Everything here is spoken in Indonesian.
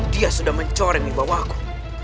dia sudah mencoreng dibawahku